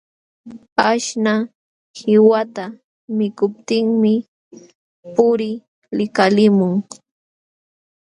Aśhnaq qiwata mikuptinmi puqri likalimun.